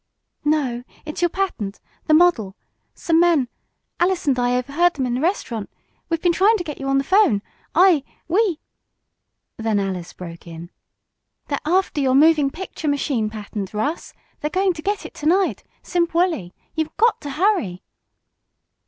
"No, it's your patent the model. Some men Alice and I overheard them in the restaurant we've been trying to get you on the 'phone I we " Then Alice broke in. "They're after your moving picture machine patent, Russ! They're going to get it to night Simp Wolley! You've got to hurry!"